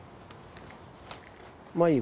まあいい。